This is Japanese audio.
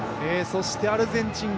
そしてアルゼンチン